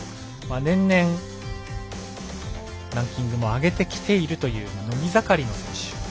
年々、ランキングも上げてきているという伸び盛りの選手。